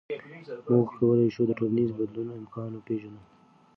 موږ کولی شو د ټولنیز بدلون امکان وپېژنو.